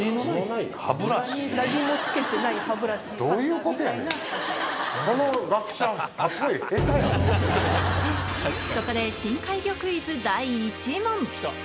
その学者、そこで深海魚クイズ第１問。